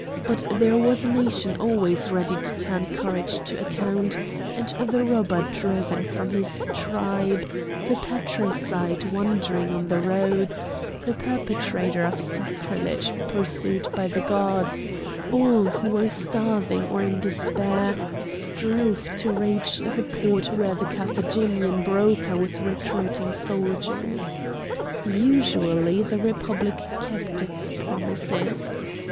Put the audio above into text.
But there was a nation always ready to turn courage to account; and the robber driven from his tribe, the patricide wandering on the roads, the perpetrator of sacrilege pursued by the gods, all who were starving or in despair strove to reach the port where the Carthaginian broker was recruiting soldiers. Usually the Republic kept its promises.